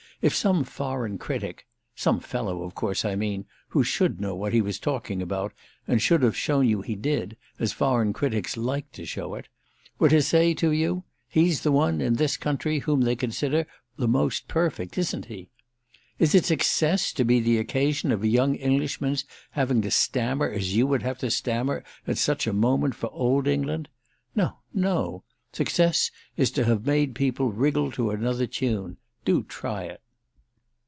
—if some foreign critic (some fellow, of course I mean, who should know what he was talking about and should have shown you he did, as foreign critics like to show it) were to say to you: 'He's the one, in this country, whom they consider the most perfect, isn't he?' Is it success to be the occasion of a young Englishman's having to stammer as you would have to stammer at such a moment for old England? No, no; success is to have made people wriggle to another tune. Do try it!"